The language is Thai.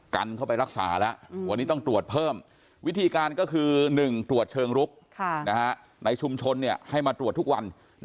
กันเข้าไปรักษาแล้ววันนี้ต้องตรวจเพิ่มวิธีการก็คือ๑ตรวจเชิงลุกในชุมชนให้มาตรวจทุกวัน